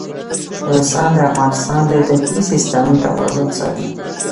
نورستان د افغانستان د طبعي سیسټم توازن ساتي.